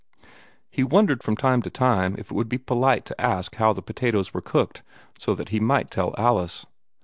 He wondered from time to time if it would be polite to ask how the potatoes were cooked, so that he might tell Alice.